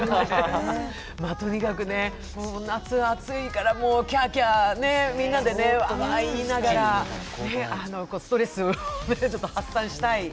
夏、暑いからキャーキャー、みんなで言いながらストレスを発散したい。